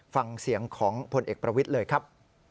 ฟังเสียงของพลเอกประวิทย์เลยครับ